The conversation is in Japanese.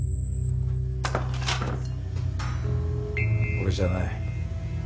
俺じゃない。